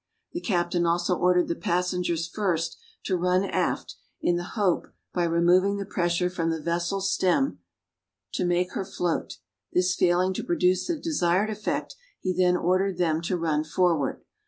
The captain also ordered the passengers first to run aft, in the hope, by removing the pressure from the vessel's stem, to make her float: this failing to produce the desired effect, he then ordered them to run forward.